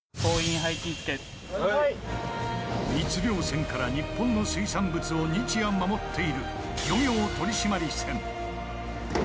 密漁船から日本の水産物を日夜、守っている漁業取締船。